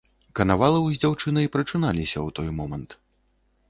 Канавалаў з дзяўчынай прачыналіся ў той момант.